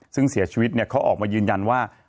ซึ่งเสียชีวิตเขาออกมายืนยันว่า